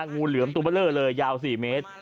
งูเหลือมาตัวเยอะเลยยาว๔เมตร